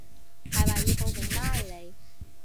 係咪要報警拉你